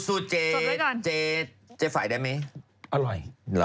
สูตรไว้ก่อนเจฟัยได้ไหม